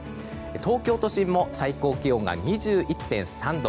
東京都心も最高気温が２１．３度。